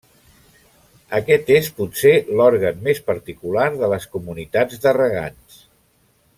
Aquest és, potser, l'òrgan més particular de les Comunitats de Regants.